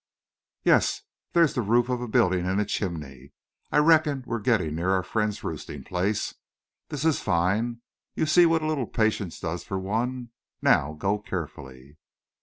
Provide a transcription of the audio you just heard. "Yes, there's the roof of a building and a chimney. I reckon we're getting near our friend's roosting place. This is fine. You see what a little patience does for one. Now go carefully."